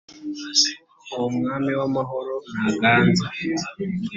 uwo mwami w’ amahoro naganze